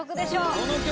どの曲？